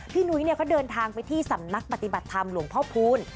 หนุ้ยเขาเดินทางไปที่สำนักปฏิบัติธรรมหลวงพ่อพูล